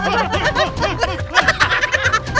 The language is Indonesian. mari kita lanjutkan perjalanan kita